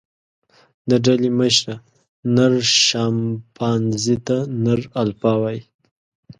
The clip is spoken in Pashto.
د ډلې مشره، نر شامپانزي ته نر الفا وایي.